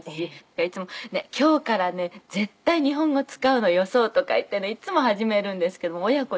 だからいつも「今日からね絶対日本語使うのよそう」とか言ってねいっつも始めるんですけども親子って甘いでしょ。